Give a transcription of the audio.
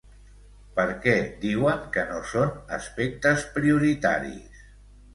Per què diuen que no són aspectes prioritaris?